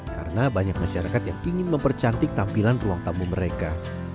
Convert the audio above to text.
karena banyak masyarakat yang ingin mempercantik tampilan ruang tamu mereka